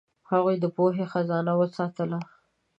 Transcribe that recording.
هغوی د پوهې خزانه وساتله.